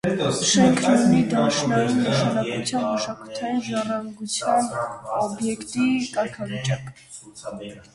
Շենքն ունի դաշնային նշանակության մշակութային ժառանգության օբյեկտի կարգավիճակ։